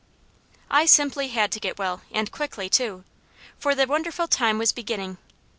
I simply had to get well and quickly too, for the wonderful time was beginning.